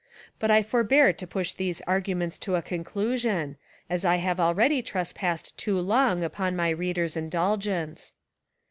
But I forbear to push these arguments to a conclusion, as I have already trespassed too long upon my readers' indulgence.